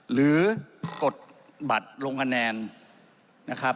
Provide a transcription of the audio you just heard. กดบัตรลงคะแนนนะครับ